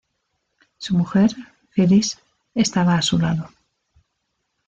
Su mujer, Phyllis, estaba a su lado.